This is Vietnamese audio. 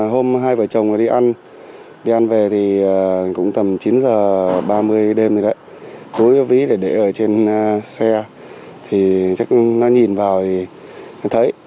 hôm hai vợ chồng đi ăn về thì cũng tầm chín giờ ba mươi đêm rồi đấy đối với ví để ở trên xe thì chắc nó nhìn vào thì nó thấy